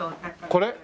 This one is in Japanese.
これ？